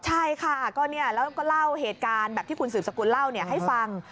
ใช่ค่ะแล้วก็เล่าเหตุการณ์แบบที่คุณสืบสกุลเล่าให้ฟัง